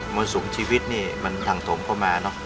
มนตร์สูงชีวิตนี่มันทังตมเข้ามา